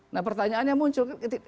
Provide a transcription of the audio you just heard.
nah pertanyaannya muncul